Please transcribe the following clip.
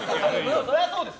それはそうです。